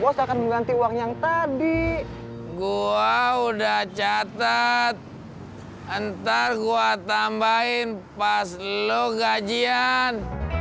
bosto akan mengganti uang yang tadi gue udah catat ntar gua tambahin pas lo gajian